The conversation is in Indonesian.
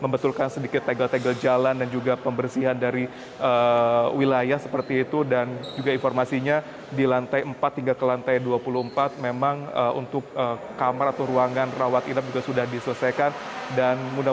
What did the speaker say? baik dari bagaimana